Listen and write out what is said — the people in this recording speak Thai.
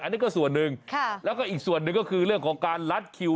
อันนี้ก็ส่วนหนึ่งแล้วก็อีกส่วนหนึ่งก็คือเรื่องของการลัดคิว